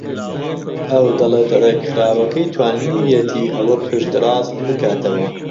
ئەو دەڵێت ڕێکخراوەکەی توانیویەتی ئەوە پشتڕاست بکاتەوە